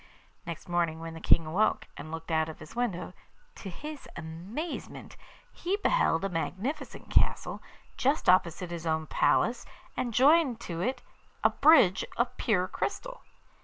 Next morning when the King awoke, and looked out of his window, to his amazement he beheld a magnificent castle, just opposite his own palace, and joined to it a bridge of pure crystal.